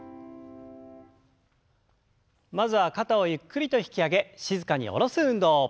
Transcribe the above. まずは肩をゆっくりと引き上げ静かに下ろす運動。